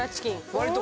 割と。